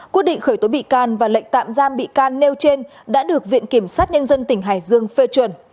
quyết định khởi tố bị can và lệnh tạm giam bị can nêu trên đã được viện kiểm sát nhân dân tỉnh hải dương phê chuẩn